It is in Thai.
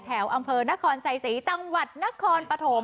แถวอำเภอนครใส่สีจังหวัดนครปะโถม